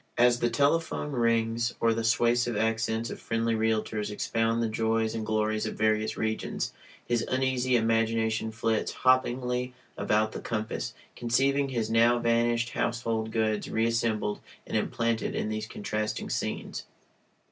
As the telephone rings, or the suasive accents of friendly realtors expound the joys and glories of various regions, his uneasy imagination flits hoppingly about the compass, conceiving his now vanished household goods reassembled and implanted in these contrasting scenes.